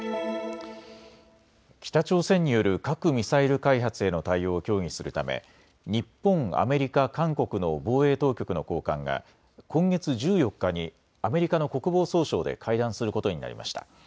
北朝鮮による核・ミサイル開発への対応を協議するため日本、アメリカ、韓国の防衛当局の高官が今月１４日にアメリカの国防総省で会談することになりました。